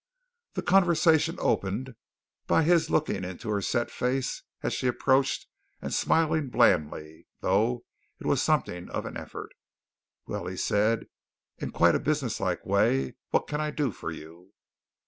The conversation opened by his looking into her set face as she approached and smiling blandly, though it was something of an effort. "Well," he said, in quite a business like way, "what can I do for you?"